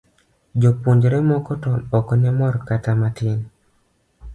Jopuonjrene moko to ok ne mor kata matin.